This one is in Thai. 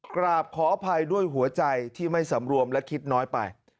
กราบขออภัยด้วยหัวใจที่ไม่สำรวมและคิดน้อยไป